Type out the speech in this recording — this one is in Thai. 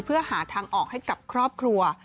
เพื่อหาทางออกให้กับครอบครัว